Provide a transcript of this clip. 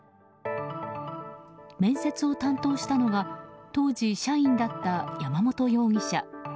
面接を担当したのが当時、社員だった山本容疑者。